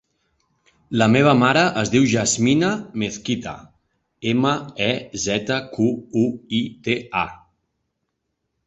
La meva mare es diu Yasmina Mezquita: ema, e, zeta, cu, u, i, te, a.